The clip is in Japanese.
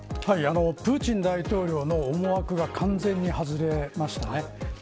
プーチン大統領の思惑が完全に外れましたね。